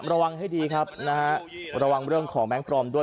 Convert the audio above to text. ระวังให้ดีครับนะฮะระวังเรื่องของแบงค์ปลอมด้วย